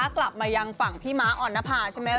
กลับมายังฝั่งพี่ม้าอ่อนนภาใช่ไหม